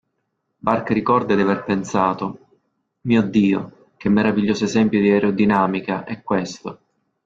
Burke ricorda di aver pensato: "Mio Dio, che meraviglioso esempio di aerodinamica è questo!